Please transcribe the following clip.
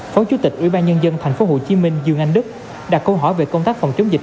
phó chủ tịch ủy ban nhân dân tp hcm dương anh đức đặt câu hỏi về công tác phòng chống dịch